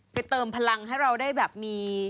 เติมพลังให้เราได้แบบมี